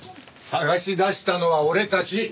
捜し出したのは俺たち！